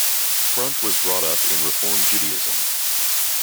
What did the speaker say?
Front was brought up in Reform Judaism.